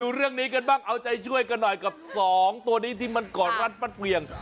เรื่องนี้กันบ้างเอาใจช่วยกันหน่อยกับสองตัวนี้ที่มันกอดรัดฟัดเหวี่ยง